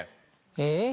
えっ？